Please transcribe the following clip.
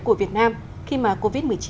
của việt nam khi mà covid một mươi chín